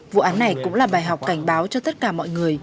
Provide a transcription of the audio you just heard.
vụ án này cũng là bài học cảnh báo cho tất cả mọi người